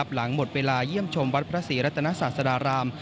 หลังหมดเวลาเยี่ยมชมวัดพระศรีรัตนศาสดาราม